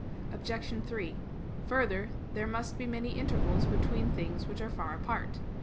Obj. 3: Further, there must be many intervals between things which are far apart.